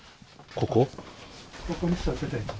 ここに座ってたいつも。